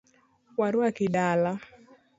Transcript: Waruaki dala.